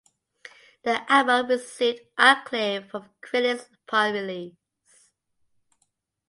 The album received acclaim from critics upon release.